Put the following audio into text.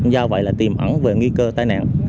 do vậy là tìm ẩn về nguy cơ tai nạn